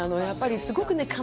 やっぱりすごくね